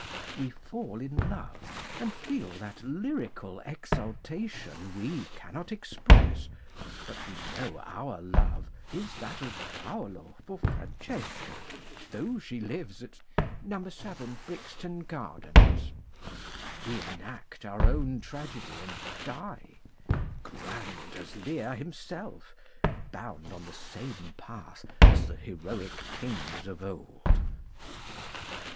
We fall in love and feel that lyrical exaltation we cannot express, but we know our love is that of Paolo for Francesca, though she lives at No. 7 Brixton Gardens. We enact our own tragedy and die, grand as Lear himself, bound on the same path as the heroic kings of old.